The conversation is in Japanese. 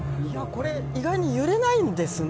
これ意外に揺れないんですね。